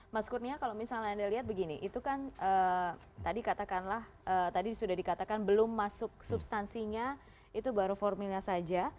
mas kurnia kalau misalnya anda lihat begini itu kan tadi katakanlah tadi sudah dikatakan belum masuk substansinya itu baru formilnya saja